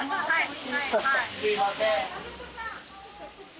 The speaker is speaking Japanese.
すいません。